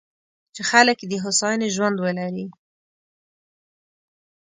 چې خلک یې د هوساینې ژوند ولري.